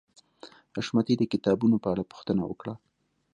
حشمتي د کتابونو په اړه پوښتنه وکړه